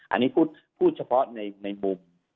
อันนี้พูดเฉพาะในมุม